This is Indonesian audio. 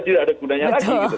tidak ada gunanya lagi